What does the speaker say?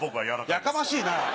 やかましいな。